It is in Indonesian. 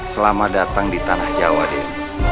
selamat datang di tanah jawa den